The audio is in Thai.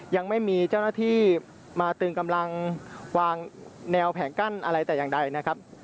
ยังไม่มีเจ้าหน้าที่มาตึงกำลังวางแนวแผงกั้นอะไรแต่อย่างใดนะครับ